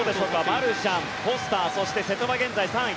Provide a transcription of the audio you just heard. マルシャン、フォスターそして、瀬戸は現在３位。